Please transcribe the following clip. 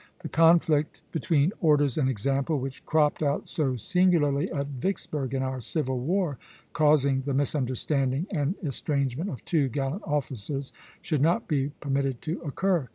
The conflict between orders and example, which cropped out so singularly at Vicksburg in our civil war, causing the misunderstanding and estrangement of two gallant officers, should not be permitted to occur.